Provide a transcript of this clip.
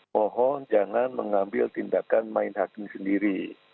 mohon jangan mengambil tindakan main hakim sendiri